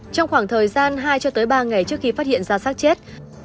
trong khoảng thời gian hai ba ngày trước khi phát hiện ra sát chết